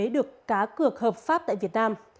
được cá cược hợp pháp tại việt nam